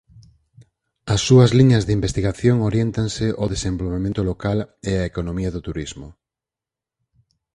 As súas liñas de investigación oriéntanse ao desenvolvemento local e á economía do turismo.